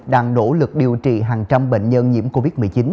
đang nỗ lực điều trị hàng trăm bệnh nhân nhiễm covid một mươi chín